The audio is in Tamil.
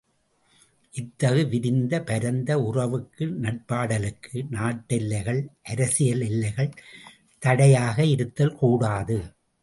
இத்தகு விரிந்த பரந்த உறவுக்கு நட்பாடலுக்கு நாட்டெல்லைகள், அரசியல் எல்லைகள் தடையாக இருத்தல் கூடாது.